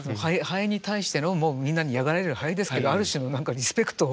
ハエに対してのもうみんなに嫌がられるハエですけどある種のリスペクトを感じますもんね。